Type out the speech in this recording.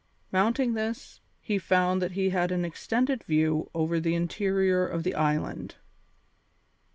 Mounting this, he found that he had an extended view over the interior of the island.